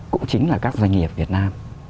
cũng chính là các doanh nghiệp việt nam